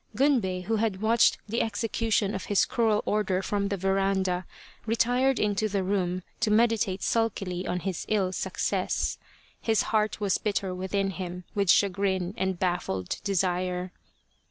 Gunbei, who had watched the execution of his cruel order from the veranda, retired into the room to meditate sulkily on his ill success. His heart was bitter within him with chagrin and baffled desire.